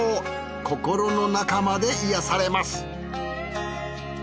心の中まで癒やされます。